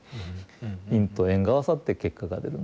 因と縁が合わさって結果が出るんだと。